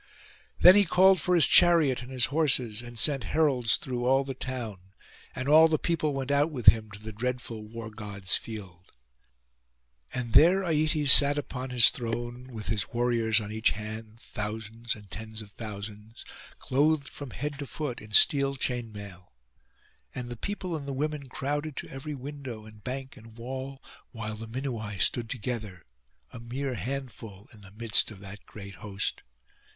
Then he called for his chariot and his horses, and sent heralds through all the town; and all the people went out with him to the dreadful War god's field. And there Aietes sat upon his throne, with his warriors on each hand, thousands and tens of thousands, clothed from head to foot in steel chain mail. And the people and the women crowded to every window and bank and wall; while the Minuai stood together, a mere handful in the midst of that great host.